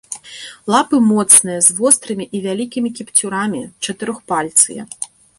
Лапы моцныя, з вострымі і вялікімі кіпцюрамі, чатырохпальцыя.